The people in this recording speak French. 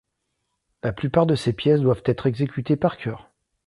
La plupart de ces pièces doivent être exécutées par cœur.